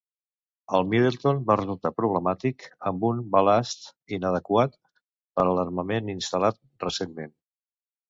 El Middleton va resultar problemàtic amb un balast inadequat per a l'armament instal·lat recentment.